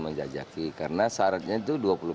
menjajaki karena syaratnya itu